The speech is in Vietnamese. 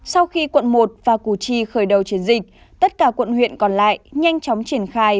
sau khi quận một và củ chi khởi đầu chiến dịch tất cả quận huyện còn lại nhanh chóng triển khai